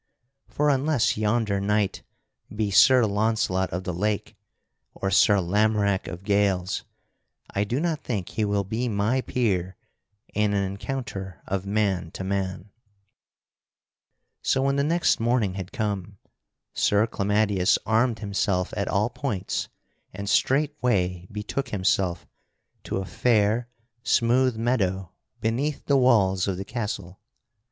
For unless yonder knight be Sir Launcelot of the Lake or Sir Lamorack of Gales, I do not think he will be my peer in an encounter of man to man." [Sidenote: Sir Clamadius arms himself for battle] So when the next morning had come, Sir Clamadius armed himself at all points and straightway betook himself to a fair, smooth meadow beneath the walls of the castle.